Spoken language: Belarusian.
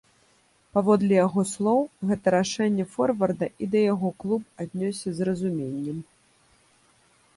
Паводле яго слоў, гэта рашэнне форварда і да яго клуб аднёсся з разуменнем.